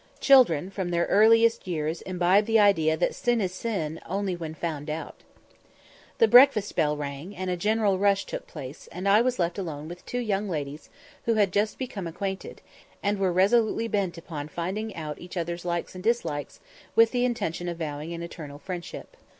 Children from their earliest years imbibe the idea that sin is sin only when found out. The breakfast bell rang, and a general rush took place, and I was left alone with two young ladies who had just become acquainted, and were resolutely bent upon finding out each other's likes and dislikes, with the intention of vowing an eternal friendship.